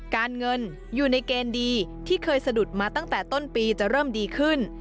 การเงินอยู่ในเกณฑ์ดีที่เคยสะดุดมาตั้งแต่ต้นปีจะเริ่มดีขึ้น